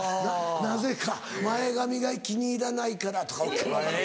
なぜか「前髪が気に入らないから」とか。